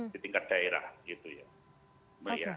di tingkat daerah gitu ya